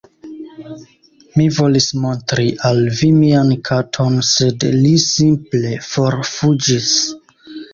Mi volis montri al vi mian katon sed li simple forfuĝis